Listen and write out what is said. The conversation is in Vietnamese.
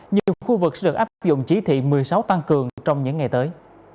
nhiều khu vực sẽ được áp dụng chỉ thị một mươi sáu tăng cường trong những ngày tới